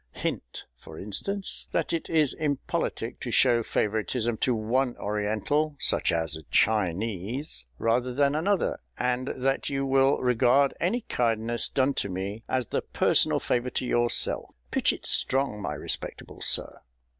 Hint, for instance, that it is impolitic to show favouritism to one Oriental (such as a Chinese) rather than another, and that you will regard any kindness done to me as the personal favour to yourself. Pitch it strong, my respectable Sir!"